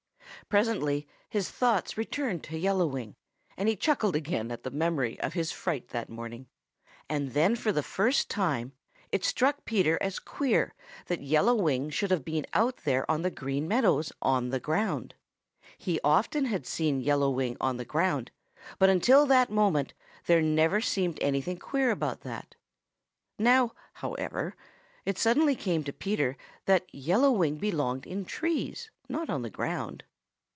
Presently his thoughts returned to Yellow Wing, and he chuckled again at the memory of his fright that morning. And then for the first time it struck Peter as queer that Yellow Wing should have been out there on the Green Meadows on the ground. He often had seen Yellow Wing on the ground, but until that moment there never had seemed anything queer about that. Now, however, it suddenly came to Peter that Yellow Wing belonged in trees, not on the ground.